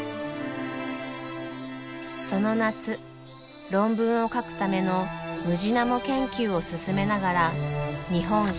その夏論文を書くためのムジナモ研究を進めながら「日本植物志図譜」